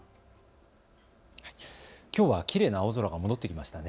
きょうはきれいな青空が戻ってきましたね。